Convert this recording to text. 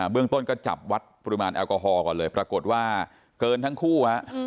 เรื่องต้นก็จับวัดปริมาณแอลกอฮอลก่อนเลยปรากฏว่าเกินทั้งคู่ฮะ